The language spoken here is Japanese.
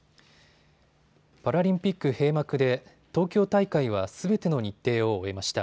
パラリンピック閉幕で東京大会はすべての日程を終えました。